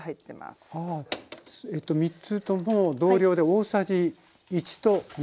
えっと３つとも同量で大さじ１1/2。